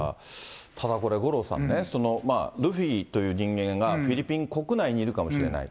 ただこれ、五郎さんね、ルフィという人間がフィリピン国内にいるかもしれない。